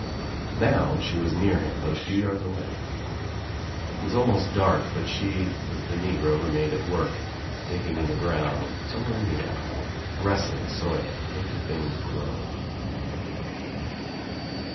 Now she was near him, but a few yards away. It was almost dark but she with the negro remained at work, digging in the ground — somewhere near — caressing the soil, making things grow.